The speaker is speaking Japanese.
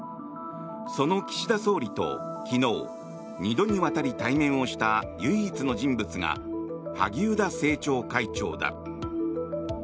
その岸田総理と昨日２度にわたり対面した唯一の人物が萩生田政調会長だ。